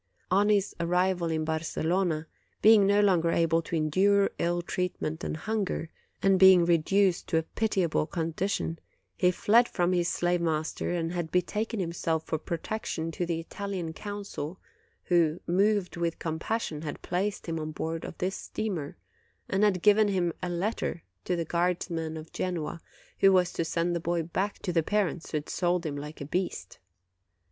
"On his arrival in Barcelona, being no longer able to endure ill treatment and hunger, and being reduced to 20 OCTOBER a pitiable condition, he had fled from his slave master and had betaken himself for protection to the Italian consul, who, moved with compassion, had placed him on board of this steamer, and had given him a letter to the guardsman of Genoa, who was to send the boy back to his parents to the parents who had sold him like a beast.